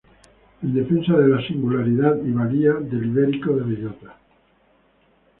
En defensa de la singularidad y valía del ibérico de bellota